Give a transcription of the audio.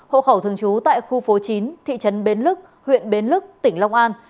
hộ khẩu thường trú tại khu phố chín thị trấn bến lức huyện bến lức tỉnh long an